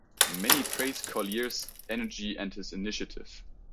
Many praise Collier's energy and his initiative.